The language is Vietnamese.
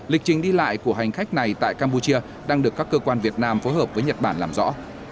lịch trình đi lại của hành khách này tại campuchia đang được các cơ quan việt nam phối hợp với nhật bản làm rõ